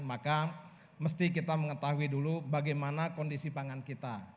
maka mesti kita mengetahui dulu bagaimana kondisi pangan kita